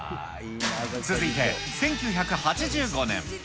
続いて、１９８５年。